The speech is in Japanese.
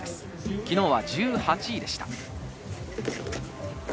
昨日は１８位でした。